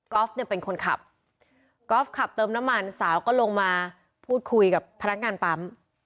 เนี่ยเป็นคนขับกอล์ฟขับเติมน้ำมันสาวก็ลงมาพูดคุยกับพนักงานปั๊ม